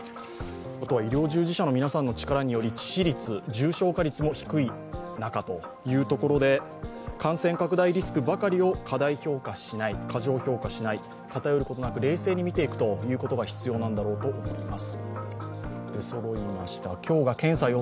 医療従事者の皆さんの力により致死率重症化率も低い中、感染拡大リスクばかりを過大評価しない過剰評価しない、偏ることなく冷静に見ていくことが必要なんだろうと思います。